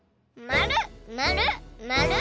まる。